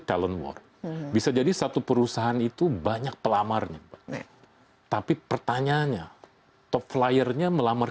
talent war bisa jadi satu perusahaan itu banyak pelamarnya tapi pertanyaannya top flyernya melamar